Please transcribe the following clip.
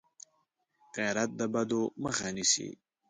غیرت د بدو مخه نیسي